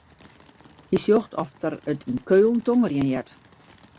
Hy sjocht oft er it yn Keulen tongerjen heart.